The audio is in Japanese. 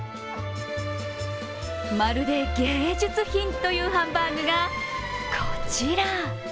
まるで芸術品というハンバーグがこちら。